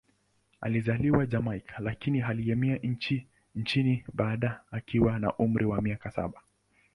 Alizaliwa Jamaika, lakini alihamia nchini Kanada akiwa na umri wa miaka saba.